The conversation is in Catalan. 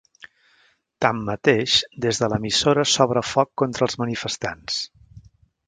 Tanmateix, des de l'emissora s'obre foc contra els manifestants.